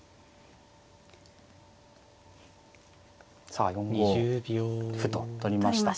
さあ４五歩と取りました。